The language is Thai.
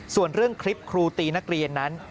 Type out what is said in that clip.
ส่วนเรื่องคลิปครูตีนักเรียนนั้น